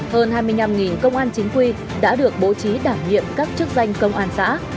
hơn hai mươi năm công an chính quy đã được bố trí đảm nhiệm các chức danh công an xã